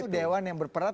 itu dewan yang berperan